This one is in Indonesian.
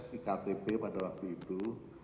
di ktp pada waktu itu